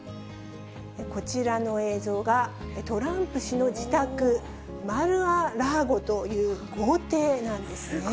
こちらの映像が、トランプ氏の自宅、マル・ア・ラーゴという豪邸なんですね。